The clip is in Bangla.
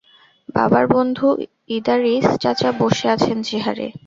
বাবার বন্ধু ইদারিস চাচা বসে আছেন চেয়ারে।